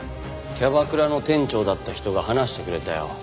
キャバクラの店長だった人が話してくれたよ。